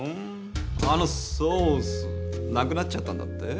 あのソースなくなっちゃったんだって？